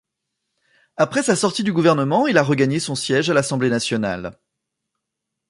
Après sa sortie du gouvernement il a regagné son siège à l'assemblée Nationale.